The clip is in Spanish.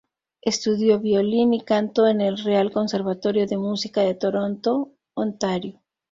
Estudió violín y canto en el Real Conservatorio de Música de Toronto, Ontario.